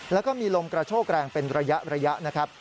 แล้วก็มีลมกระโชกแรงเป็นระยะนะครับ